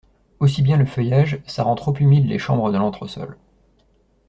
Aussi bien le feuillage, ça rend trop humides les chambres de l'entresol!